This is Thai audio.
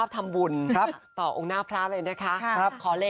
ขอก็แบบต้องป้องด้วยหรอ